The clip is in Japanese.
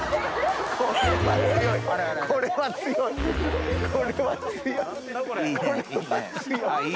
これは強い！